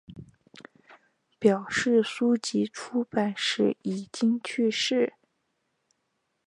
表示书籍出版时已经去世。